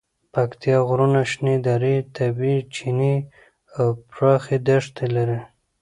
پکتیکا غرونه، شنې درې، طبیعي چینې او پراخې دښتې لري.